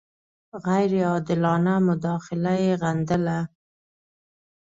غیر عادلانه مداخله یې غندله.